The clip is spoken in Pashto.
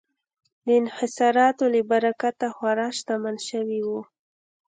د انحصاراتو له برکته خورا شتمن شوي وو.